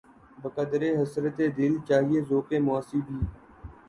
بقدرِ حسرتِ دل‘ چاہیے ذوقِ معاصی بھی